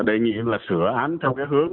đề nghị là sửa án theo cái hướng